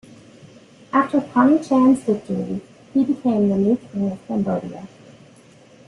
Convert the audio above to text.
After Ponhea Chan's victory, he became the new king of Cambodia.